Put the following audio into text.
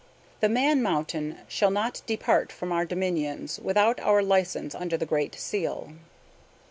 The Man Mountain shall not depart from our dominions without our license under the great seal.